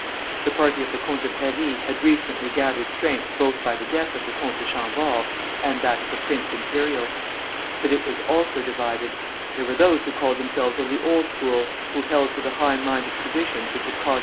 The party of the Comte de Paris had recently gathered strength both by the death of the Comte de Chambord and that of the Prince Imperial. But it was also divided. There were those who called themselves of the old school, who held to the high minded traditions which had caused M.